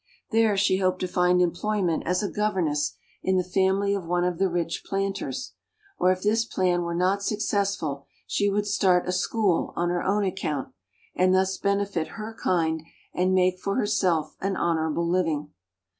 There she hoped to find employment as a governess in the family of one of the rich planters; or if this plan were not successful she would start a school on her own account, and thus benefit her kind and make for herself an honorable living.